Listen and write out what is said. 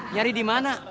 nyari di mana